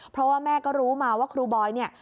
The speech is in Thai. เพราะว่าแม่ก็รู้มาว่าครูบอยเนี่ย